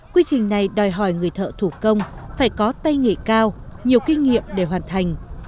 quy trình này đòi hỏi người thợ thủ công phải có tay nghề cao nhiều kinh nghiệm để hoàn thành